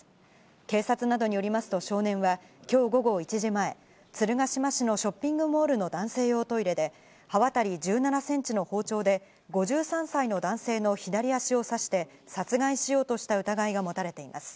警察などによりますと、少年はきょう午後１時前、鶴ヶ島市のショッピングモールの男性用トイレで、刃渡り１７センチの包丁で、５３歳の男性の左足を刺して、殺害しようとした疑いが持たれています。